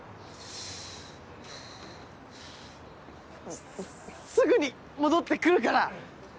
すすぐに戻ってくるから。